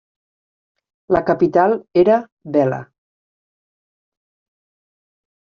La capital era Bela.